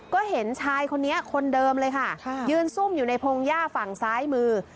ก็เห็นชายคนนี้คนเดิมเลยค่ะยืนซุ่มอยู่ในพงหญ้าฝั่งซ้ายมือ